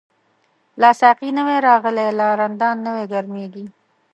لا ساقی نوی راغلی، لا رندان نوی گرمیږی